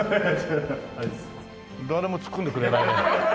誰もツッコんでくれないね。